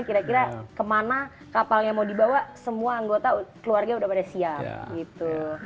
kira kira kemana kapalnya mau dibawa semua anggota keluarga udah pada siap gitu